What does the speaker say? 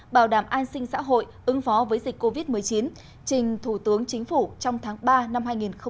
bảo đảm an sinh xã hội ứng phó với dịch covid một mươi chín trình thủ tướng chính phủ trong tháng ba năm hai nghìn hai mươi